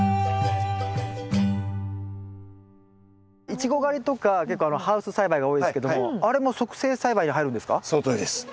イチゴ狩りとか結構ハウス栽培が多いですけどもあれも促成栽培に入るんですか？